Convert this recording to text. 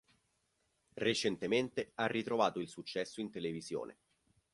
Recentemente ha ritrovato il successo in televisione.